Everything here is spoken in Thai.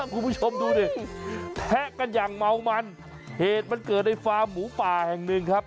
คุณผู้ชมดูดิแทะกันอย่างเมามันเหตุมันเกิดในฟาร์มหมูป่าแห่งหนึ่งครับ